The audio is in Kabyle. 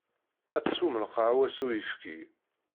Ad teswem lqahwa s uyefki.